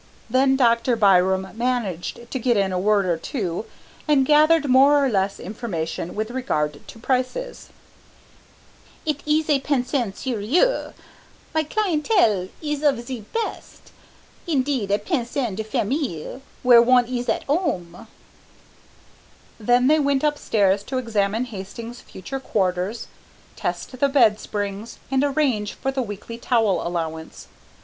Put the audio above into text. Then Dr. Byram managed to get in a word or two and gathered more or less information with regard to prices. "It ees a pension serieux; my clientèle ees of ze best, indeed a pension de famille where one ees at 'ome." Then they went upstairs to examine Hastings' future quarters, test the bed springs and arrange for the weekly towel allowance.